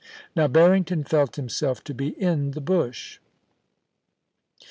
Now Barrington felt himself to be in the bush.